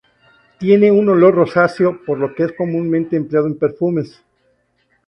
Tiene un olor rosáceo, por lo que es comúnmente empleado en perfumes.